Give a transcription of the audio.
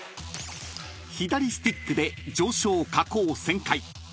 ［左スティックで上昇・下降・旋回］